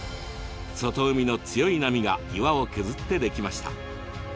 外海の強い波が岩を削って出来ました。